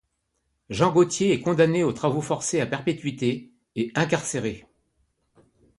Jean Gautier est condamné aux travaux forcés à perpétuité et incarcéré.